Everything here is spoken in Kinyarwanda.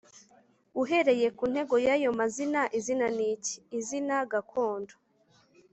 Uhereye ku ntego y’ayo mazina, izina ni iki? Izina gakondo